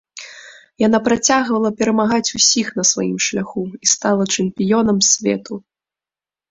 Яна працягвала перамагаць усіх на сваім шляху і стала чэмпіёнам свету.